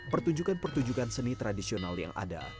pertunjukan pertunjukan seni tradisional yang ada